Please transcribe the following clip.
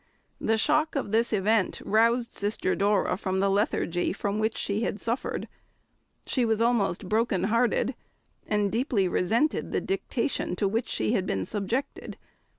The shock of this event roused Sister Dora from the lethargy from which she had suffered. She was almost broken hearted, and deeply resented the dictation to which she had been subjected.